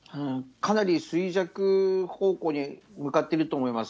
かなり衰弱方向に向かっていると思います。